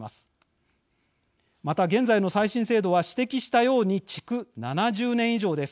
また現在の再審制度は指摘したように築７０年以上です。